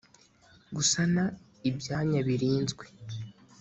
gusana ibyanya birinzwe